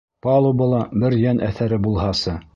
Палубала бер йән әҫәре булһасы!